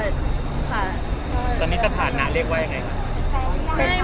สำคัญจะมีสถานะเรียกว่าอย่างไงคะ